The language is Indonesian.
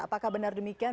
apakah benar demikian